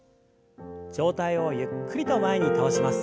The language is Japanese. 上体をゆっくりと前に倒します。